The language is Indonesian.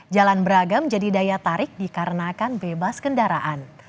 jalan beragam jadi daya tarik dikarenakan bebas kendaraan